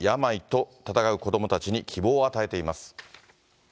この活躍が病と闘う子どもたちに希望を与えています。